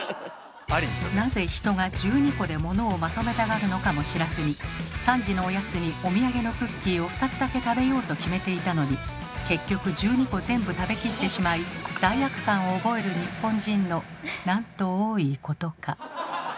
なぜ人が１２個で物をまとめたがるのかも知らずに「３時のおやつにお土産のクッキーを２つだけ食べよう」と決めていたのに結局１２個全部食べきってしまい罪悪感を覚える日本人のなんと多いことか。